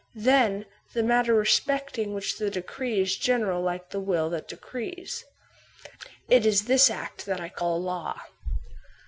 Then the mat ter respecting which they decree is general like the will Ihat decrees. It is this act that I call a law.